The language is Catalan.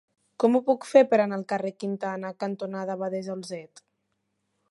Com ho puc fer per anar al carrer Quintana cantonada Abadessa Olzet?